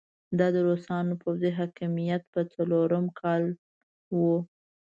دا د روسانو د پوځي حاکميت په څلورم کال وو.